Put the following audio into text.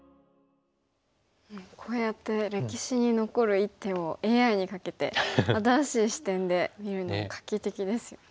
こうやって歴史に残る一手をＡＩにかけて新しい視点で見るのも画期的ですよね。